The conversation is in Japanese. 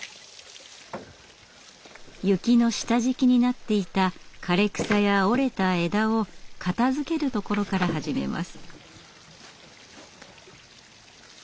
雪の下敷きになっていた枯れ草や折れた枝を片づけるところから始めます。